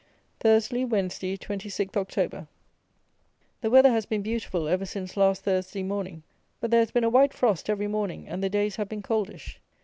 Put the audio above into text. Thursley, Wednesday, 26th Oct. The weather has been beautiful ever since last Thursday morning; but there has been a white frost every morning, and the days have been coldish.